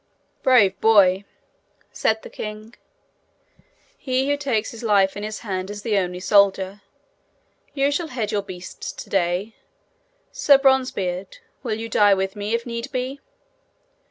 'Brave boy!' said the king. 'He who takes his life in his hand is the only soldier. You shall head your beasts today. Sir Bronzebeard, will you die with me if need be?'